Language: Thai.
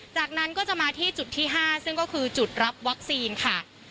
จากนั้นก็จะมาที่จุดที่๕ซึ่งก็คือจุดรับวัคซีนค่ะ